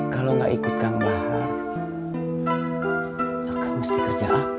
kalau gak ikut kang bahar